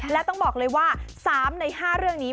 และต้องบอกเลยว่า๓ใน๕เรื่องนี้